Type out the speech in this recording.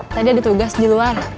tadi ada tugas di luar